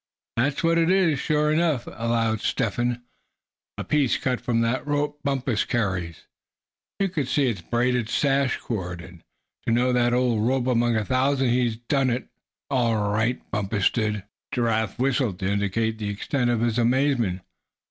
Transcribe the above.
"That's what it is, sure enough," avowed Step Hen, "a piece cut from that rope Bumpus carries. You can see it's braided sash cord, and I'd know that old rope among a thousand. He done it, all right, Bumpus did!" Giraffe whistled, to indicate the extent of his amazement.